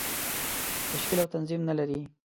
تشکیل او تنظیم نه لري.